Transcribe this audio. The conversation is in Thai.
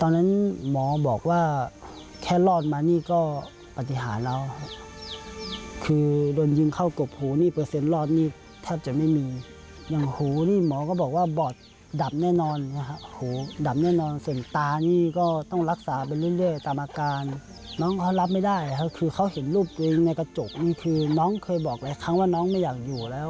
ตอนนั้นหมอบอกว่าแค่รอดมานี่ก็ปฏิหารแล้วคือโดนยิงเข้ากบหูนี่เปอร์เซ็นต์รอดนี่แทบจะไม่มีอย่างหูนี่หมอก็บอกว่าบอดดับแน่นอนนะครับหูดับแน่นอนเส้นตานี่ก็ต้องรักษาไปเรื่อยตามอาการน้องเขารับไม่ได้ครับคือเขาเห็นรูปตัวเองในกระจกนี่คือน้องเคยบอกหลายครั้งว่าน้องไม่อยากอยู่แล้ว